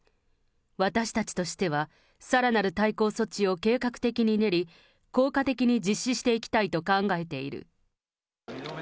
私たちとしては、さらなる対抗措置を計画的に練り、効果的に実施していきたいと考えている。